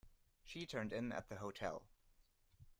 She turned in at the hotel.